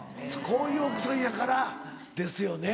こういう奥さんやからですよね。